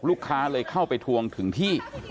ลูกค้าเลยเข้าไปทวงถึงที่